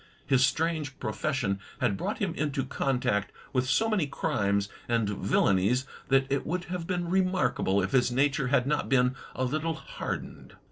His strange profession had brought him into contact with so many crimes and villainies that it would have been remarkable if his nature had not been a little hardened.